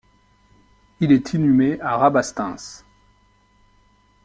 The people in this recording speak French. Il est inhumé à Rabastens.